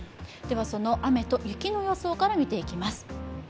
雨と雪の予想から見ていきます。